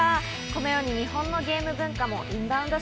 このように日本のゲーム文化もインバウンド